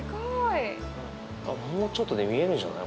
あっもうちょっとで見えるんじゃない？